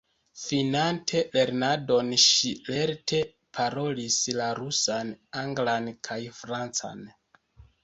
Finante lernadon ŝi lerte parolis la rusan, anglan kaj francan.